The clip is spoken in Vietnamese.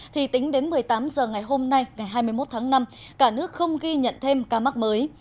thì tính đến một mươi tám h ngày hôm nay ngày hai mươi một tháng năm cả nước không ghi nhận thêm ca mắc mới